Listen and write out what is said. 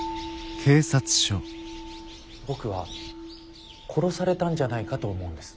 僕は殺されたんじゃないかと思うんです。